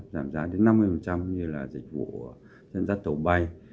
giảm giá đến năm mươi như là dịch vụ dẫn dắt tàu bay